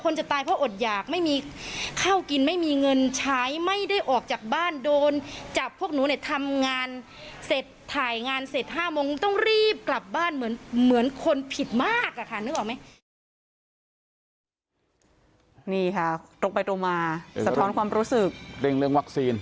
นี่ค่ะตกไปตรงมาสับธรรมความรู้สึกเก็บเรื่องวัคซีน